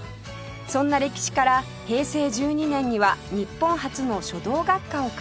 そんな歴史から平成１２年には日本初の書道学科を開設